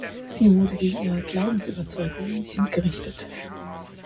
Sie wurde wegen ihrer Glaubensüberzeugungen hingerichtet.